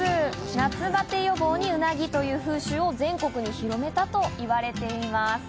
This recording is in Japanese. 夏バテ予防にうなぎという風習を全国に広めたといわれています。